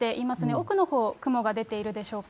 奥のほう、雲が出ているでしょうか。